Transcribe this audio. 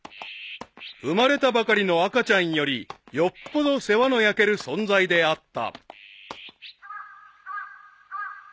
［生まれたばかりの赤ちゃんよりよっぽど世話の焼ける存在であった］